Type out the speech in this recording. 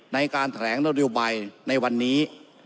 ในการแถลงนโยบายในวันนี้